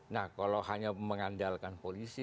nah kalau hanya mengandalkan polisi